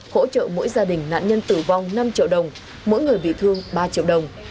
hỗ trợ mỗi gia đình nạn nhân tử vong năm triệu đồng mỗi người bị thương ba triệu đồng